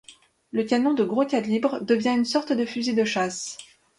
Le canon de gros calibre devient une sorte de fusil de chasse.